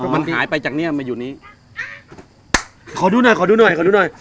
มันหายไปจากเนี้ยมาอยู่นี้ขอดูหน่อยขอดูหน่อยขอดูหน่อย